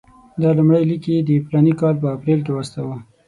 دا لومړی لیک یې د فلاني کال په اپرېل کې واستاوه.